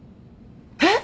えっ！？